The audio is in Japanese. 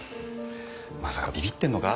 まさかビビってんのか？